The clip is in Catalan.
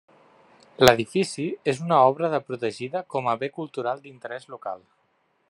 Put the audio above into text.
L'edifici és una obra de protegida com a Bé Cultural d'Interès Local.